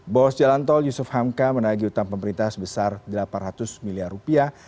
bos jalantol yusuf hamka menagih hutang pemerintah sebesar delapan ratus miliar rupiah